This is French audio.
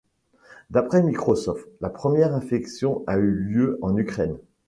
D’après Microsoft, la première infection a eu lieu en Ukraine.